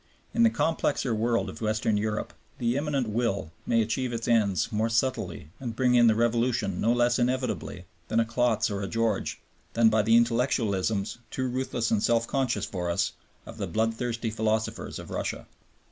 In the complexer world of Western Europe the Immanent Will may achieve its ends more subtly and bring in the revolution no less inevitably through a Klotz or a George than by the intellectualisms, too ruthless and self conscious for us, of the bloodthirsty philosophers of Russia.